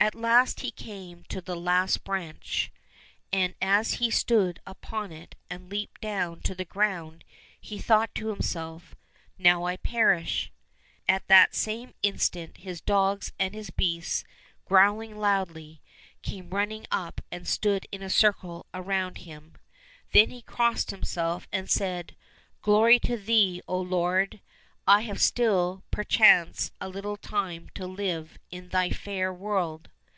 At last he came to the last branch, and 73 COSSACK FAIRY TALES as he stood upon it and leaped down to the ground, he thought to himself, " Now I perish !" At that same instant his dogs and his beasts, growling loudly, came running up, and stood in a circle around him. Then he crossed himself and said, " Glory to Thee, O Lord ! I have still, perchance, a little time to live in Thy fair world